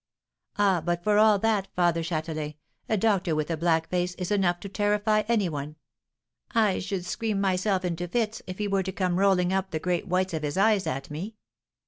"Ah! but for all that, Father Châtelain, a doctor with a black face is enough to terrify any one I should scream myself into fits if he were to come rolling up the great whites of his eyes at me."